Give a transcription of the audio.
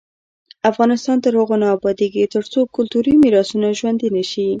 افغانستان تر هغو نه ابادیږي، ترڅو کلتوري میراثونه ژوندي نشي.